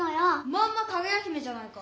まんま「かぐや姫」じゃないか。